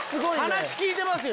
話聞いてますよ！